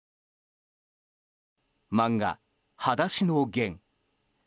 漫画「はだしのゲン」。